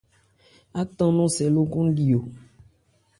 Átan nɔ̂n sɛ lókɔn li o.